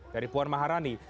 dari puan maharani